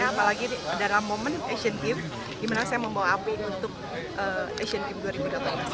apalagi dalam momen asian games di mana saya membawa api untuk asian games dua ribu delapan belas